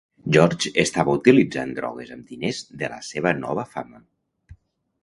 George estava utilitzant drogues amb diners de la seva nova fama.